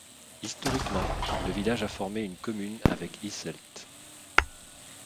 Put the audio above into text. Historiquement, le village a formé une commune avec Heesselt.